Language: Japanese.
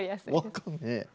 分かんねえ。